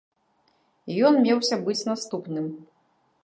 Ён меўся быць наступным.